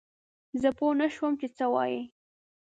زه پوه نه شوم چې څه وايي؟